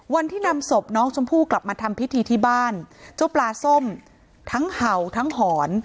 วันที่นำศพน้องชมพู่กลับมาทำพิธีที่บ้านเจ้าปลาส้มทั้งเห่าทั้งหอน